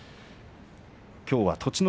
きょうは栃ノ